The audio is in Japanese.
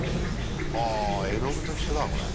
はあ絵の具と一緒だこれ。